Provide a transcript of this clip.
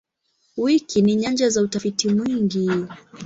Wiki ni nyanja za utafiti mwingi.